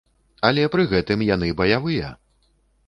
Але пры гэтым яны баявыя!